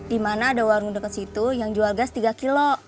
dimana ada warung deket situ yang jual gas tiga kilo